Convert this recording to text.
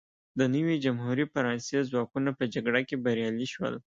د نوې جمهوري فرانسې ځواکونه په جګړه کې بریالي شول.